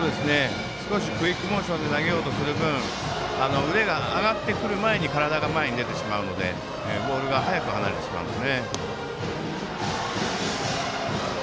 少しクイックモーションで投げようとする分腕が上がってくる前に体が前に出てしまうのでボールが早く離れてしまいます。